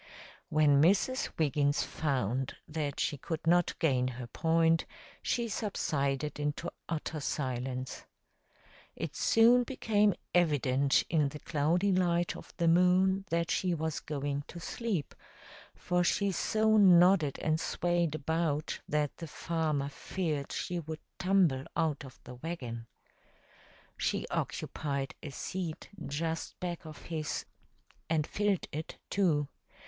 When Mrs. Wiggins found that she could not gain her point, she subsided into utter silence. It soon became evident in the cloudy light of the moon that she was going to sleep, for she so nodded and swayed about that the farmer feared she would tumble out of the wagon. She occupied a seat just back of his and filled it, too.